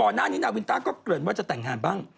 หน้านี้นาวินต้าก็เกริ่นว่าจะแต่งงานบ้าง